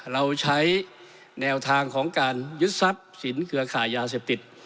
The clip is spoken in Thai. เราใช้แนวทางของการยึดทรัพย์สินเครือขายยาเสพติด